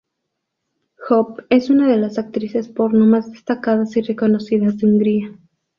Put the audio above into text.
Hope es una de las actrices porno más destacadas y reconocidas de Hungría.